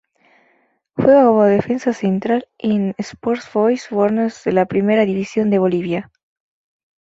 Juega como defensa central en Sport Boys Warnes de la Primera División de Bolivia.